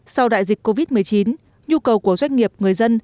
sau đại dịch covid một mươi chín nhu cầu của doanh nghiệp người dân